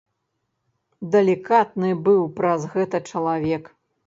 Далікатны быў праз гэта чалавек.